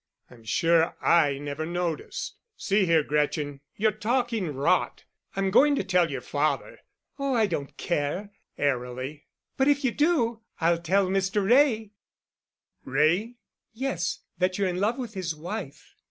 "I'm sure I never noticed. See here, Gretchen, you're talking rot. I'm going to tell your father." "Oh, I don't care," airily. "But if you do, I'll tell Mr. Wray." "Wray?" "Yes—that you're in love with his wife."